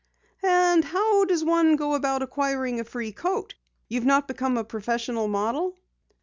"And how does one go about acquiring a free coat? You've not become a professional model?"